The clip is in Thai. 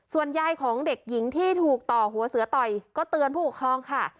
ส่วนยายของเด็กหญิงที่ถูกต่อหัวเสือต่อยก็เตือนผู้ปกครองค่ะ